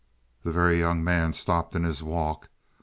The Very Young Man stopped in his walk.